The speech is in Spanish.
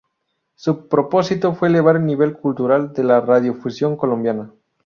Su propósito fue elevar el nivel cultural de la radiodifusión colombiana.